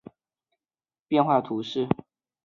莫泰人口变化图示